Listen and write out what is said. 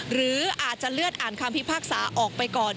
หรืออาจจะเลื่อนอ่านคำพิพากษาออกไปก่อน